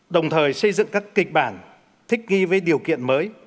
đồng thời xây dựng các kịch bản thích ghi với điều kiện mới